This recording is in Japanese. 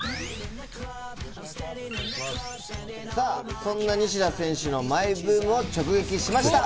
さぁ、そんな西田選手のマイブームを直撃しました。